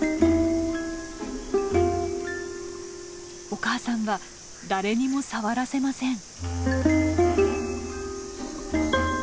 お母さんは誰にも触らせません。